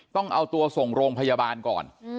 ต้องเอาตัวส่งโรงพยาบาลก่อน